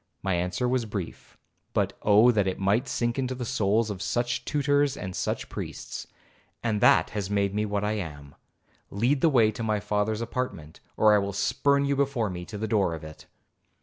My answer was brief, but Oh that it might sink into the souls of such tutors and such priests! 'And that has made me what I am. Lead the way to my father's apartment, or I will spurn you before me to the door of it.'